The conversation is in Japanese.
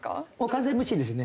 完全無視です。